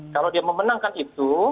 kalau dia memenangkan itu